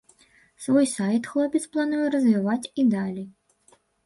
Свой сайт хлопец плануе развіваць і далей.